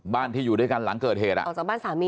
บ้านที่อยู่ด้วยกันหลังเกิดเหตุ